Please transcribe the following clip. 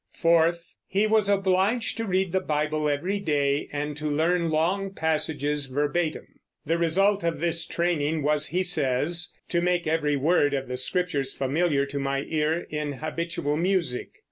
Fourth, he was obliged to read the Bible every day and to learn long passages verbatim. The result of this training was, he says, "to make every word of the Scriptures familiar to my ear in habitual music."